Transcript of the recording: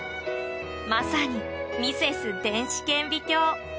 まさにミセス電子顕微鏡！